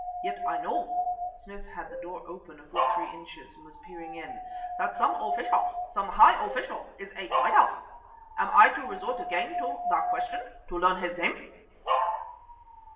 Yet I know" (Smith had the door open a good three inches and was peering in) "that some official, some high official, is a traitor. Am I to resort again to the question to learn his name?"